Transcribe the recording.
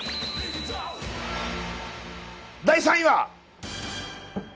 第３位は！